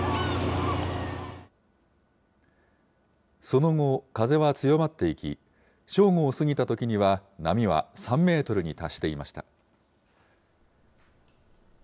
その後、風は強まっていき、正午を過ぎたときには、波は３メートルに達していました。